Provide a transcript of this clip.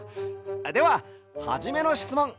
でははじめのしつもん。